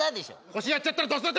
腰やっちゃったらどうすんだ